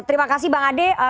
terima kasih bang ade